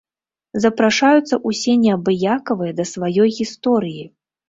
Запрашаюцца ўсе неабыякавыя да сваёй гісторыі!